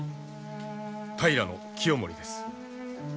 平清盛です。